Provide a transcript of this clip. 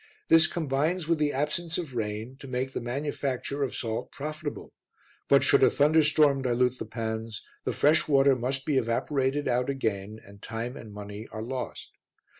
This combines with the absence of rain to make the manufacture of salt profitable; but should a thunderstorm dilute the pans, the fresh water must be evaporated out again and time and money are lost.